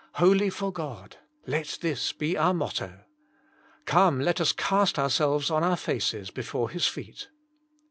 '^Wholly for God," let this be our motto. Come let us cast ourselves on our faces before His feet.